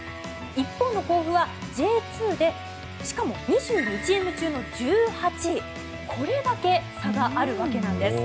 一方の甲府はＪ２でしかも２２チーム中の１８位これだけ差があるわけなんです。